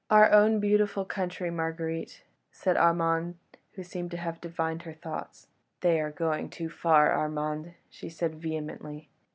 "Our own beautiful country, Marguerite," said Armand, who seemed to have divined her thoughts. "They are going too far, Armand," she said vehemently.